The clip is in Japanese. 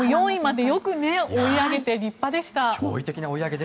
４位までよく追い上げました。